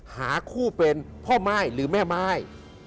หาคู่เป็นพ่อม่ายหรือแม่ม่าย